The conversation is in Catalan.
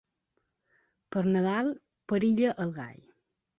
Per Nadal perilla el gall.